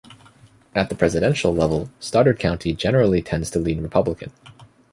At the presidential level, Stoddard County generally tends to lean Republican.